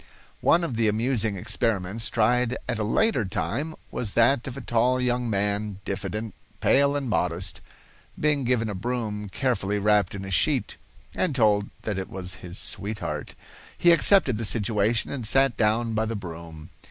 One of the amusing experiments tried at a later time was that of a tall young man, diffident, pale and modest, being given a broom carefully wrapped in a sheet, and told that it was his sweetheart. He accepted the situation and sat down by the broom.